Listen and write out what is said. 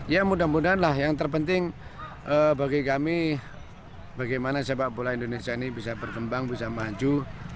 ya mudah mudahan lah yang terpenting bagi kami bagaimana sepak bola indonesia ini bisa berkembang bisa maju